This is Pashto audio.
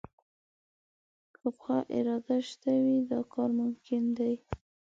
که پخه اراده شته وي، دا کار ممکن دی